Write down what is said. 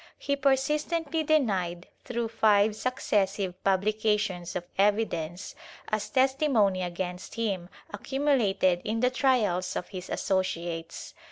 He persistently denied through five successive publications of evidence, as testi mony against him accumulated in the trials of his associates.